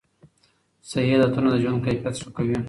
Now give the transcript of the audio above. صحي عادتونه د ژوند کیفیت ښه کوي.